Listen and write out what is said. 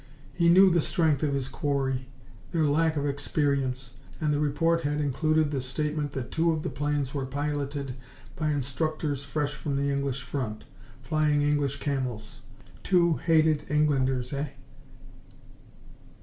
He knew the strength of his quarry, their lack of experience, and the report had included the statement that two of the planes were piloted by instructors fresh from the English front, flying English Camels. Two hated Englanders, eh?